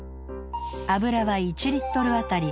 油は１リットルあたり